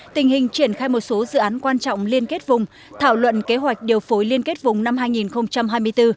tình hình triển khai một số dự án quan trọng liên kết vùng thảo luận kế hoạch điều phối liên kết vùng năm hai nghìn hai mươi bốn